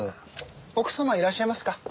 奥様いらっしゃいますか？